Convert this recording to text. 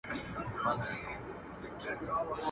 دهقان څه چي لا په خپل کلي کي خان وو.